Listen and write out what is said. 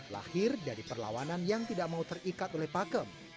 lahir dari perlawanan yang tidak mau terikat oleh pakem